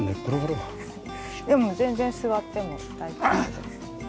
でも全然座っても大丈夫です。